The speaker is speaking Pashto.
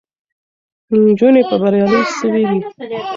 نجونې به بریالۍ سوې وي.